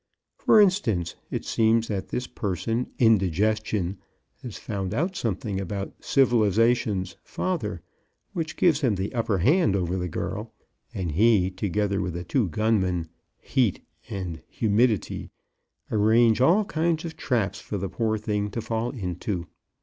For instance, it seems that this person Indigestion has found out something about Civilization's father which gives him the upper hand over the girl, and he, together with the two gunmen, Heat and Humidity, arrange all kinds of traps for the poor thing to fall into.